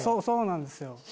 そうなんですよ。